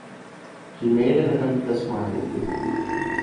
He made an attempt at a smile.